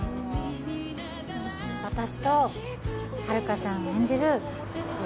私と福原遥ちゃん演じる